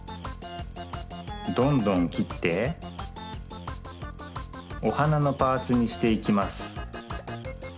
どんどんきっておはなのパーツにしていきます。